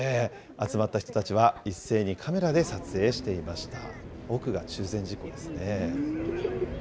集まった人たちは一斉にカメラで撮影していました。